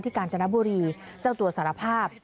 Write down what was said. กาญจนบุรีเจ้าตัวสารภาพ